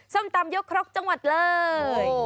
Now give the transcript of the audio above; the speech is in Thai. ๐๙๕๑๘๓๓๔๕๖ส้มตำยกครกจังหวัดเลย